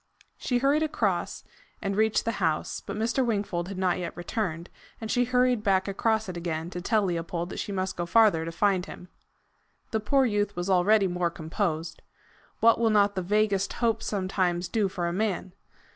She hurried across, and reached the house; but Mr. Wingfold had not yet returned, and she hurried back across it again, to tell Leopold that she must go farther to find him. The poor youth was already more composed. What will not the vaguest hope sometimes do for a man!